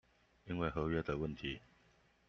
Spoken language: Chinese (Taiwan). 因為合約的問題